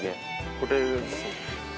これですね。